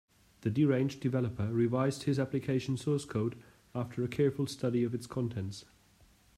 The deranged developer revised his application source code after a careful study of its contents.